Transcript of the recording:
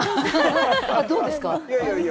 どうですか？